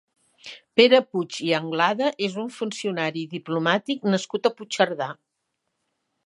Pere Puig i Anglada és un funcionari i diplomàtic nascut a Puigcerdà.